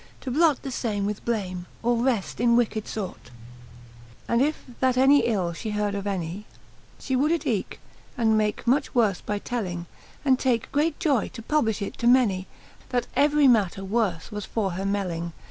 To blot the fame with blame, or wreft in wicked fort. XXXV. And if that any ill fhe heard of any, She would it eeke, and make much worfe by telling, And take great joy to publifh it to many, That every matter worfe was for her melling.